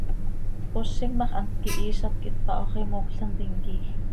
Tcozim ma x, hant quihiizat quih tpaho x, imocl hant imquiij.